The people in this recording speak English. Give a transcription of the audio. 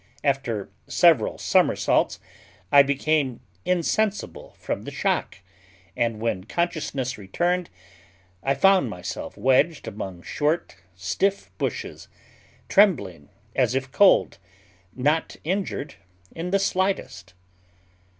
After several somersaults, I became insensible from the shock, and when consciousness returned I found myself wedged among short, stiff bushes, trembling as if cold, not injured in the slightest.